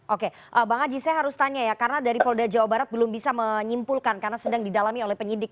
oke bang haji saya harus tanya ya karena dari polda jawa barat belum bisa menyimpulkan karena sedang didalami oleh penyidik